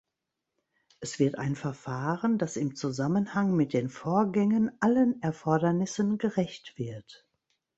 Es wird ein Verfahren, das im Zusammenhang mit den Vorgängen allen Erfordernissen gerecht wird.